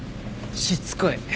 しつこい。